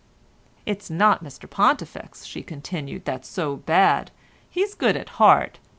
"It's not Mr Pontifex," she continued, "that's so bad, he's good at heart.